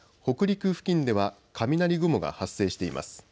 北陸付近では雷雲が発生しています。